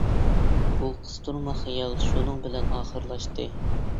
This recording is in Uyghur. بۇ قىستۇرما خىيال شۇنىڭ بىلەن ئاخىرلاشتى.